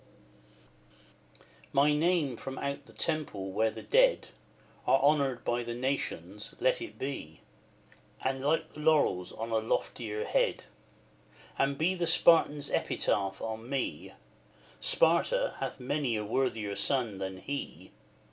X. My name from out the temple where the dead Are honoured by the nations let it be And light the laurels on a loftier head! And be the Spartan's epitaph on me 'Sparta hath many a worthier son than he.'